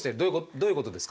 どういうことですか？